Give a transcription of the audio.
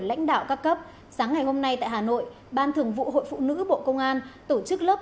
lãnh đạo các cấp sáng ngày hôm nay tại hà nội ban thường vụ hội phụ nữ bộ công an tổ chức lớp